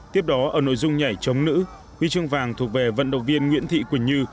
tiếp đó ở nội dung nhảy chống nữ huy chương vàng thuộc về vận động viên nguyễn thị quỳnh như